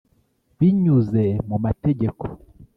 binyuze mu mategeko